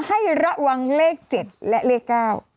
ให้ระวังเลข๗และเลข๙